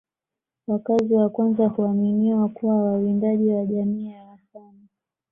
Wakazi wa kwanza huaminiwa kuwa wawindaji wa jamii ya Wasani